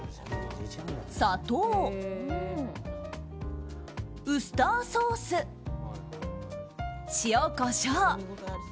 砂糖、ウスターソース塩、コショウ。